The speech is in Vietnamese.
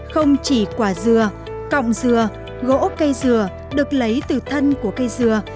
không chỉ quả dừa cọng dừa gỗ cây dừa được lấy từ thân của cây dừa